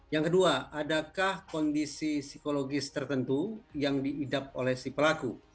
yang kedua adakah kondisi psikologis tertentu yang diidap oleh si pelaku